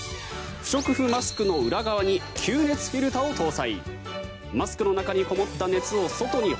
不織布マスクの裏側に吸熱フィルターを搭載。